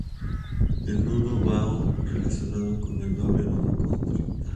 El nudo boa está relacionado con el doble nudo constrictor.